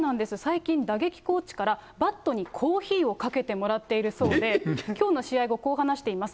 最近、打撃コーチからバットにコーヒーをかけてもらっているそうで、きょうの試合後、こう話しています。